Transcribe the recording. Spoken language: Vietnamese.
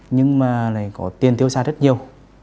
nhưng mà này có tiền tiêu xa rất nhiều